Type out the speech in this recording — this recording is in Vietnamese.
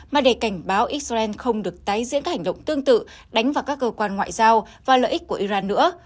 mà để cảnh báo israel không được tái diễn các hành động tương tự đánh vào các cơ quan ngoại giao và lợi ích của iran nữa